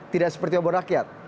tidak seperti obor rakyat